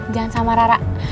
jangan sama rara